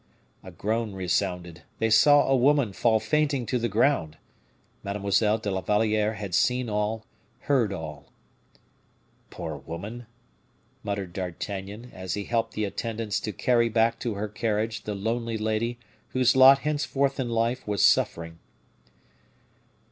A groan resounded they saw a woman fall fainting to the ground. Mademoiselle de la Valliere had seen all, heard all. "Poor woman!" muttered D'Artagnan, as he helped the attendants to carry back to her carriage the lonely lady whose lot henceforth in life was suffering.